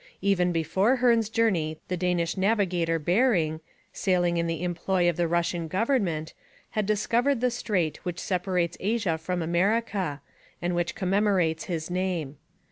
Even before Hearne's journey the Danish navigator Bering, sailing in the employ of the Russian government, had discovered the strait which separates Asia from America, and which commemorates his name.